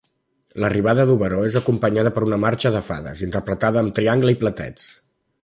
L'arribada d'Oberó és acompanyada per una marxa de fades, interpretada amb triangle i platets.